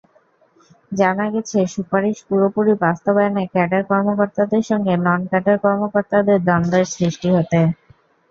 জানা গেছে, সুপারিশ পুরোপুরি বাস্তবায়নে ক্যাডার কর্মকর্তাদের সঙ্গে নন-ক্যাডার কর্মকর্তাদের দ্বন্দ্বের সৃষ্টি হতে।